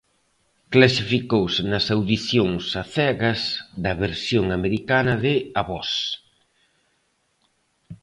Clasificouse nas audicións a cegas da versión americana de 'A voz'.